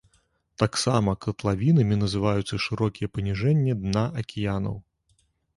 Таксама катлавінамі называюцца шырокія паніжэнні дна акіянаў.